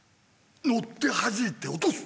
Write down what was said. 乗ってはじいて落とす！